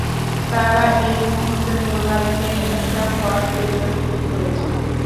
তারা এই মুহূর্তে তোর বাড়িতে একটা হট ভিডিও শ্যুট করেছে।